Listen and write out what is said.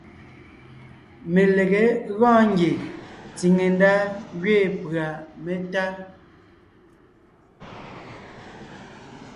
Melegé gɔɔn ngie tsìŋe ndá gẅiin pʉ̀a métá.